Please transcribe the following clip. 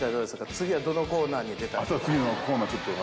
次はどのコーナーに出たいかとか。